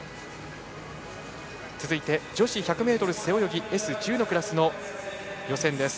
続いて、女子１００ｍ背泳ぎＳ１０のクラスの予選です。